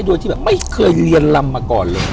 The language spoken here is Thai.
โดยที่แบบไม่เคยเรียนลำมาก่อนเลย